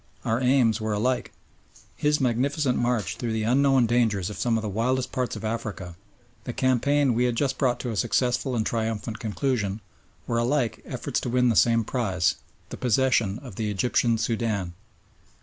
Our aims were alike. His magnificent march through the unknown dangers of some of the wildest parts of Africa, the campaign we had just brought to a successful and triumphant conclusion, were alike efforts to win the same prize the possession of the Egyptian Soudan.